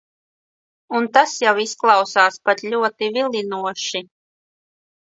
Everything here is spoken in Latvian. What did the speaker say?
Un tas jau izklausās pat ļoti vilinoši.